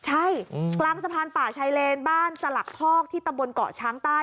ใช่นึกครั้งสะพานป่าชัยเลนบ้านสลัหกท้อกที่ตะนกเบิลเกาะช้างใต้